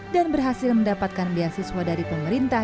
dan berhasil mendapatkan beasiswa dari pemerintah